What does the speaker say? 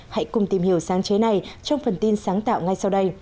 hãy cùng tìm hiểu sáng chế này trong phần tin sáng tạo ngay sau đây